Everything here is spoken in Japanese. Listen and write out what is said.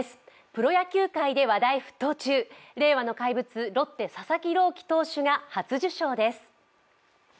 プロ野球界で話題ふっとう中令和の怪物・ロッテ・佐々木朗希投手が初受賞です。